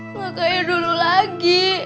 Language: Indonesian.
nggak kayak dulu lagi